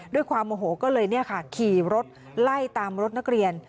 ด้วยความโมโหก็เลยขี่รถไล่ตามรถนักเรียน